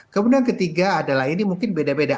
kemudian ketiga adalah ini mungkin beda beda